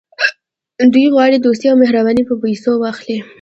دوی غواړي دوستي او مهرباني په پیسو واخلي.